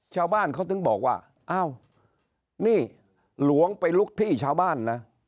ชาวบ้านเขาถึงบอกว่าอ้าวนี่หลวงไปลุกที่ชาวบ้านนะ